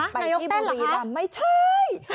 ฮะนายกเต้นเหรอคะที่บุรีรำไม่ใช่